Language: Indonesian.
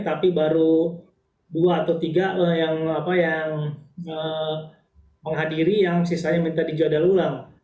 tapi baru dua atau tiga yang menghadiri yang sisanya minta dijadan ulang